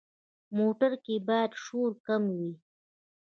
موټر کې باید شور کم وي.